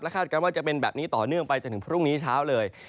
คาดการณ์ว่าจะเป็นแบบนี้ต่อเนื่องไปจนถึงพรุ่งนี้เช้าเลย